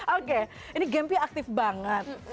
oke ini gamenya aktif banget